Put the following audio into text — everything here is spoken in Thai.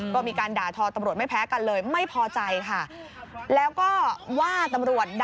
ก็มีการด่าทอตำรวจ